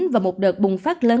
và một đợt bùng phát lớn